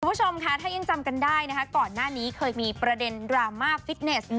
คุณผู้ชมค่ะถ้ายังจำกันได้นะคะก่อนหน้านี้เคยมีประเด็นดราม่าฟิตเนส